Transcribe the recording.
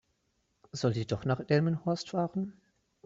Soll sie doch nach Delmenhorst fahren?